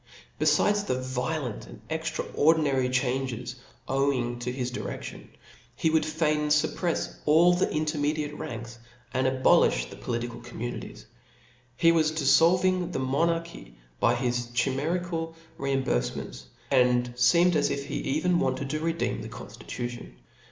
Befides the violent and extraordinary changes owing to his direiftion, he would fain fupprefs all the intermediate ranks^ and aboHfh the political communities. He was diflblving ^ the monarchy by his chimerical reimburfements, and feemed as if ^e even wanted to redeem the con ilitution.